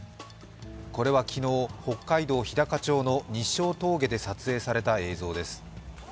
これは昨日、北海道日高町の日勝峠で撮影された映像です。